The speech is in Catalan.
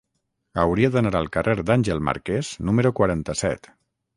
Hauria d'anar al carrer d'Àngel Marquès número quaranta-set.